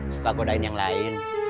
suka godain yang lain